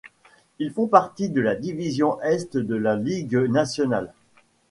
Ils font partie de la division Est de la Ligue nationale.